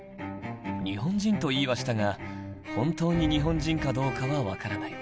日本人と言いはしたが本当に日本人かどうかは分からない